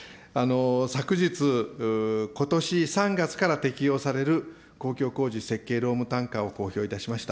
昨日、ことし３月から適用される公共工事設計労務単価を公表いたしました。